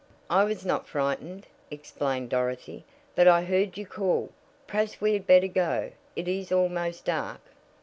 "I was not frightened," explained Dorothy, "but I heard you call. Perhaps we had better go. It is almost dark."